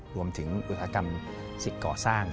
รวมถึงอุตสาหกรรมศิษย์ก่อสร้าง